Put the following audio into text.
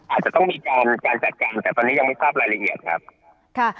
อาจจะต้องมีการการจัดการแต่ตอนนี้ยังไม่ทราบรายละเอียดครับค่ะ